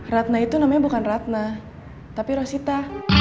ratna itu namanya bukan ratna tapi rosita